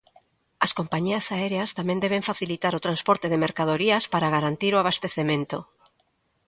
As compañías aéreas tamén deben facilitar o transporte de mercadorías para garantir o abastecemento.